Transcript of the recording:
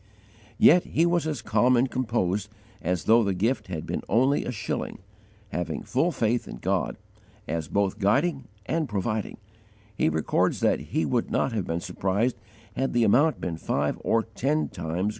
Yet he was as calm and composed as though the gift had been only a shilling; having full faith in God, as both guiding and providing, he records that he would not have been surprised had the amount been five or ten times greater.